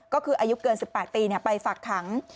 ก็คืออายุเกิน๑๘ปีไปฝากขัง